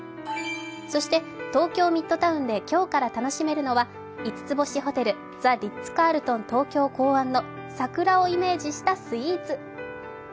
そして東京ミッドタウンで、今日から楽しめるのは五つ星ホテルザ・リッツ・カールトン東京考案の桜をイメージしたスイーツ。